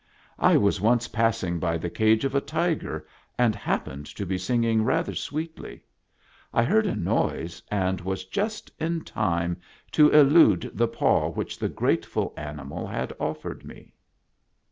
I was once passing by the cage of a tiger, and happened to be singing rather sweetly. I heard a noise, and was just in time to elude the paw which the grateful animal had offered me."